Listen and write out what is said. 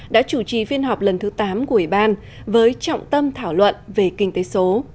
đã chủ trì phiên họp lần thứ tám của ủy ban với trọng tâm thảo luận về kinh tế số